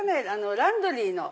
ランドリーの。